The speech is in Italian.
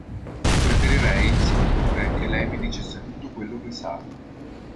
Preferirei, senatore, che lei mi dicesse tutto quello che sa.